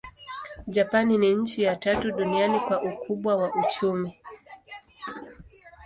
Japani ni nchi ya tatu duniani kwa ukubwa wa uchumi.